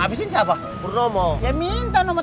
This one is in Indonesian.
kalian tuh sepenuhnya berumur berapa lama senarai